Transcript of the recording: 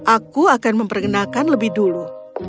aku akan memperkenalkan lebih dulu